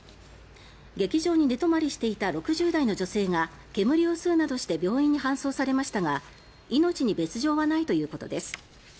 劇場に寝泊まりしていた６０代の女性が煙を吸うなどして病院に搬送されましたが命に別条はないということです。